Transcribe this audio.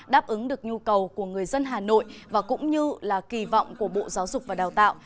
đáp ứng được nhu cầu của người dân hà nội và cũng như là kỳ vọng của bộ giáo dục và đào tạo